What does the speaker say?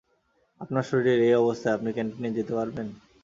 আপনার শরীরের এই অবস্থায় আপনি ক্যান্টিনে যেতে পারবেন?